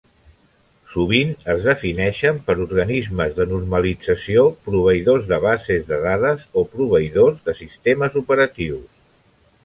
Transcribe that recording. Sovint es defineixen per organismes de normalització, proveïdors de bases de dades o proveïdors de sistemes operatius.